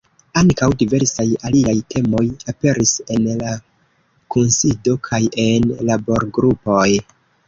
Ankaŭ diversaj aliaj temoj aperis en la kunsido kaj en laborgrupoj.